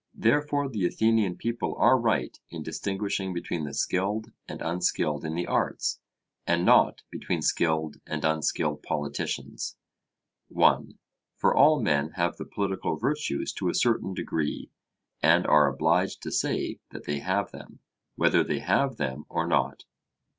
Therefore the Athenian people are right in distinguishing between the skilled and unskilled in the arts, and not between skilled and unskilled politicians. (1) For all men have the political virtues to a certain degree, and are obliged to say that they have them, whether they have them or not.